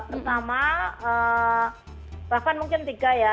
pertama bahkan mungkin tiga ya